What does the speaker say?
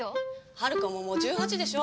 はるかももう１８でしょ？